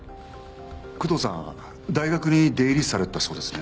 工藤さん大学に出入りされてたそうですね。